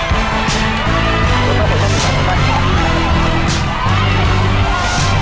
รู้สึกว่าเขาจะหยุดไหมครับ